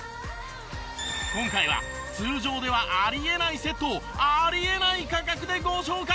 今回は通常ではあり得ないセットをあり得ない価格でご紹介！